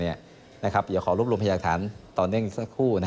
อย่าขอรบรวมพยาฐานต่อเนื่องสักครู่